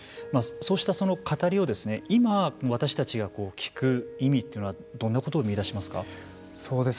そうした語りを今、私たちが聞く意味というのはどんなことを見いだしますか。